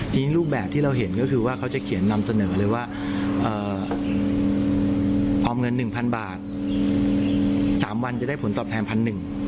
ทีนี้รูปแบบที่เราเห็นก็คือว่าเขาจะเขียนนำเสนอเลยว่าออมเงิน๑๐๐บาท๓วันจะได้ผลตอบแทนพันหนึ่ง